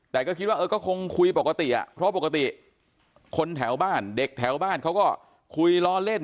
แต่ก็คิดว่าเออก็คงคุยปกติอ่ะเพราะปกติคนแถวบ้านเด็กแถวบ้านเขาก็คุยล้อเล่น